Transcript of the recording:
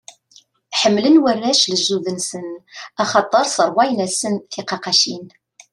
Ḥemmlen warrac lejdud-nsen axaṭer sserwayen-asen tiqaqqacin.